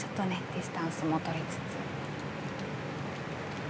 ディスタンスもとりつつ。